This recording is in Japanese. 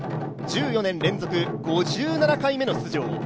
１４年連続５７回目の出場。